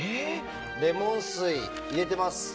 レモン水、入れてます。